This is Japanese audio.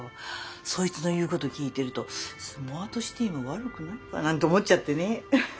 そいつの言うこと聞いてるとスマートシティも悪くないかなんて思っちゃってねウフフ。